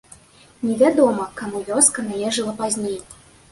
Невядома, каму вёска належала пазней.